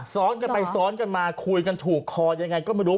ซ้อนกันไปซ้อนกันมาคุยกันถูกคอยังไงก็ไม่รู้